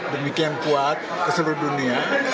demikian kuat ke seluruh dunia